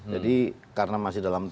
jadi karena masih dalam